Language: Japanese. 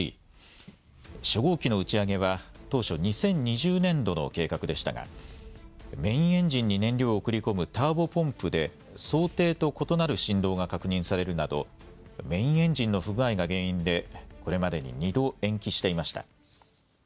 初号機の打ち上げは当初２０２０年度の計画でしたがメインエンジンに燃料を送り込むターボポンプで想定と異なる振動が確認されるなどメインエンジンの不具合が原因でこれまでに２度延期していました。